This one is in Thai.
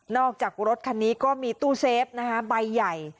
อกจากรถคันนี้ก็มีตู้เซฟนะคะใบใหญ่